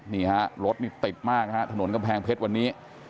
นี่ฮะรถนี่ติดมากนะฮะถนนกำแพงเพชรวันนี้